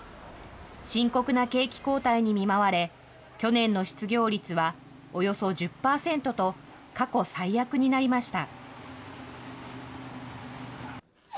深刻な景気後退に見舞われ、去年の失業率はおよそ１０％と、過去最悪になりました。